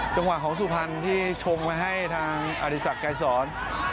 จังหวะของสุภัณฑ์ที่ชงมาให้ทางอริษัทไกรสร